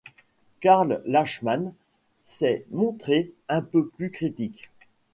Karl Lachmann s’est montré un peu plus critique.